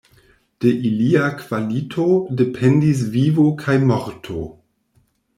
De ilia kvalito dependis vivo kaj morto.